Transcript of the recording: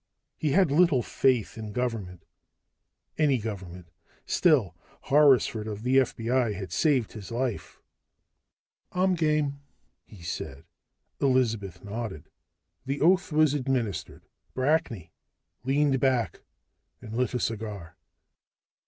He had little faith in government ... any government. Still Horrisford of the FBI had saved his life. "I'm game," he said. Elizabeth nodded. The oath was administered. Brackney leaned back and lit a cigar.